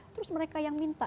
terus mereka yang minta